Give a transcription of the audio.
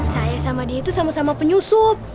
saya sama dia itu sama sama penyusup